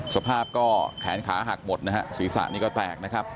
สภาพก็แขนขาหักหมดนะฮะศีรษะนี่ก็แตกนะครับ